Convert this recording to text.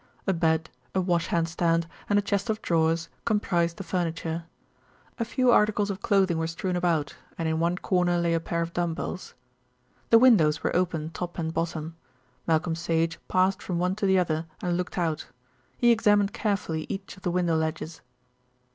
A bed, a wash hand stand, and a chest of drawers comprised the furniture. A few articles of clothing were strewn about, and in one corner lay a pair of dumb bells. The windows were open top and bottom. Malcolm Sage passed from one to the other and looked out. He examined carefully each of the window ledges.